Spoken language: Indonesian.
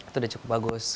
sudah cukup bagus